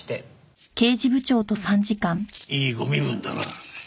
ふんいいご身分だな。